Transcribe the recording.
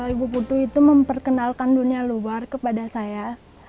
ibu putu itu memperkenalkan dunia luar kepada saya